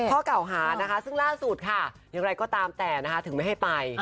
ข้อเก่าหานะคะซึ่งล่าสุดค่ะอย่างไรก็ตามแต่นะคะถึงไม่ให้ไป